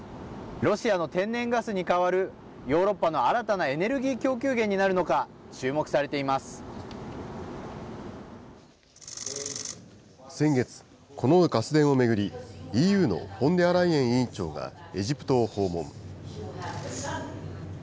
ロシアの天然ガスに代わる、ヨーロッパの新たなエネルギー供給源先月、このガス田を巡り、ＥＵのフォンデアライエン委員長が、エジプトを訪問。